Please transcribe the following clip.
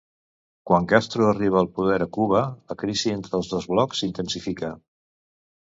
Quan Castro arriba al poder a Cuba la crisi entre els dos blocs s'intensifica.